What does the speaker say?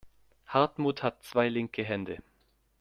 Hartmut hat zwei linke Hände.